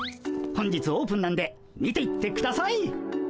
本日オープンなんで見ていってください！